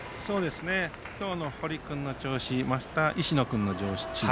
今日の堀君の調子そして、石野君の調子